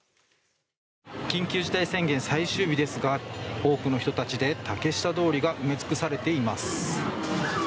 緊急事態宣言最終日ですが多くの人たちで竹下通りが埋め尽くされています。